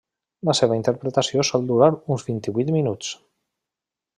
La seva interpretació sol durar uns vint-i-vuit minuts.